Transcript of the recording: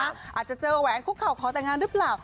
อาจจะเจอแหวงคู่เขาขอแต่งงานรึเปล่า